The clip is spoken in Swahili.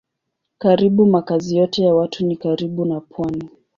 Karibu makazi yote ya watu ni karibu na pwani.